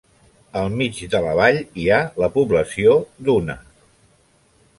Al mig de la vall hi ha la població d'Una.